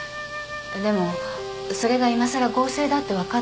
でもそれがいまさら合成だって分かっても。